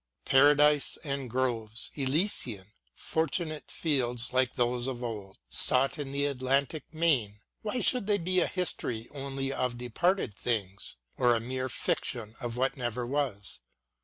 Paradise, and groves Elysian, Fortunate Fields — ^like those of old Sought in the Atlantic Main — v/hy should they be A history only of departed things, Or a mere fiction of what never was